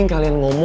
gak ada apa apa